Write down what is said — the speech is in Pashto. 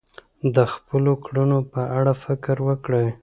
د خپلو کړنو په اړه فکر وکړئ.